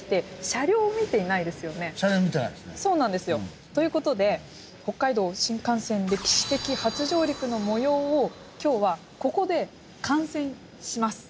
車両見てないですね。という事で北海道新幹線歴史的初上陸の模様を今日はここで観戦します。